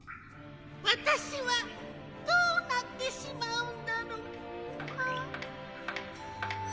わたしはどうなってしまうんだろう？ああ。